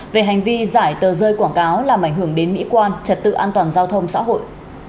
về hành vi giải tờ rơi quảng cáo làm ảnh hưởng đến mỹ quan trật tự an toàn giao thông xã hội